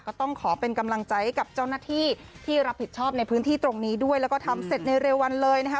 ก็ต้องขอเป็นกำลังใจให้กับเจ้าหน้าที่ที่รับผิดชอบในพื้นที่ตรงนี้ด้วยแล้วก็ทำเสร็จในเร็ววันเลยนะคะ